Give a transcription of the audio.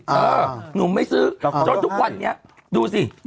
เออหนุ่มไม่ซื้อจนทุกวันนี้ดูสิ